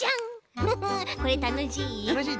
フフこれたのしい。